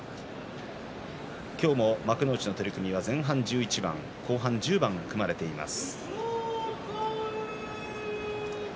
今日も幕内の取組は前半１１番、後半１０番組まれています。